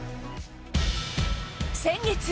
先月。